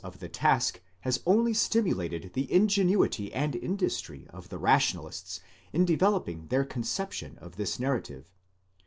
481 of the task has only stimulated the ingenuity and industry of the rationalists in developing their conception of this narrative.